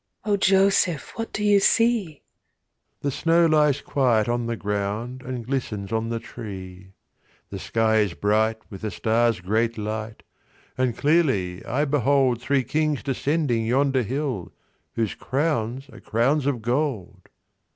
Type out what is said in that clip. O Joseph, what do you see? JOSEPH The snow lies quiet on the ground And glistens on the tree; The sky is bright with a star's great light, And clearly I behold Three Kings descending yonder hill, Whose crowns are crowns of gold.